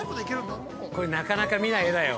◆これ、なかなか見ない画だよ。